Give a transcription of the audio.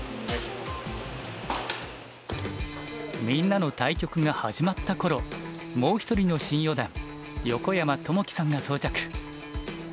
みんなの対局が始まった頃もう一人の新四段横山友紀さんが到着。